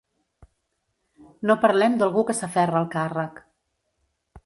No parlem d’algú que s’aferra al càrrec.